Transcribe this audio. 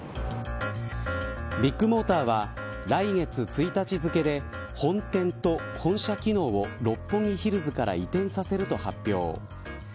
ビッグモーターは来月１日付で本店と本社機能を六本木ヒルズから移転させると発表。